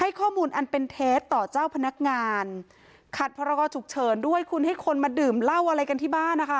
ข้อมูลอันเป็นเท็จต่อเจ้าพนักงานขัดพรกรฉุกเฉินด้วยคุณให้คนมาดื่มเหล้าอะไรกันที่บ้านนะคะ